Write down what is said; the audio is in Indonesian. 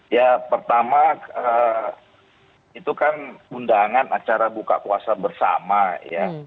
ya pertama itu kan undangan acara buka puasa bersama ya